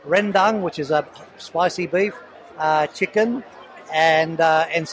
rendang yang adalah daging pedas